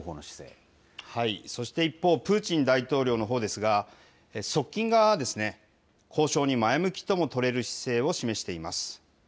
そして一方、プーチン大統領のほうですが、側近は、交渉に前向きとも取れる姿勢を示しています。